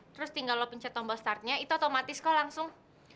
terus tinggal lo pencet tombol startnya itu otomatis kok langsung